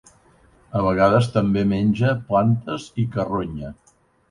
A vegades també menja plantes i carronya.